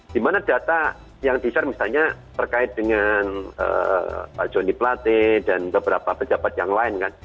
di mana data yang di share misalnya terkait dengan pak joni plate dan beberapa pejabat yang lain kan